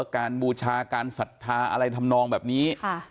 บูชาการศรัทธาอะไรทำนองแบบนี้